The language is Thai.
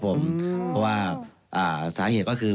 เพราะว่าสาเหตุก็คือ